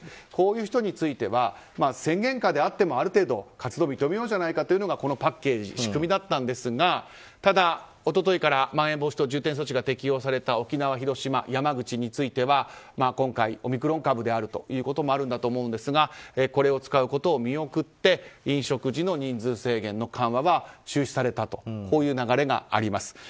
こういう人については宣言下であってもある程度、活動を認めようじゃないかというのがパッケージの仕組みだったんですがただ、一昨日からまん延防止等重点措置が適用された沖縄、広島、山口に関しては今回、オミクロン株であるということもあるんだと思うんですがこれを使うことを見送って飲食時の人数制限の緩和は中止されたという流れがあります。